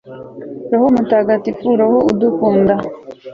roho mutagatifu, roho udukunda